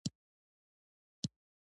وینې تویوي او کورونه ورانوي.